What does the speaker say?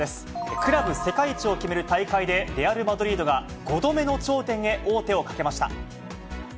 クラブ世界一を決める大会でレアル・マドリードが５度目の頂点へ王手をかけました。